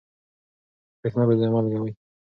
برېښنا بې ځایه مه لګوئ.